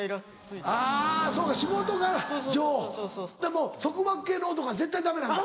もう束縛系の男は絶対ダメなんだ。